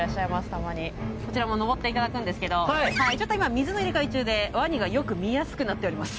たまにこちらも上っていただくんですけどちょっと今水の入れ替え中でワニがよく見やすくなっております